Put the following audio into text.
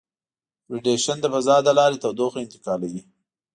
ریډیشن د فضا له لارې تودوخه انتقالوي.